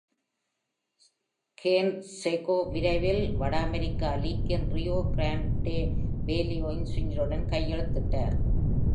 Canseco விரைவில் வட அமெரிக்க லீக்கின் ரியோ கிராண்டே வேலி ஒயிட்விங்ஸுடன் கையெழுத்திட்டார்.